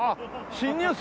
新入生？